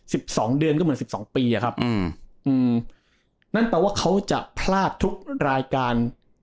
สองเดือนก็เหมือนสิบสองปีอ่ะครับอืมอืมนั่นแปลว่าเขาจะพลาดทุกรายการ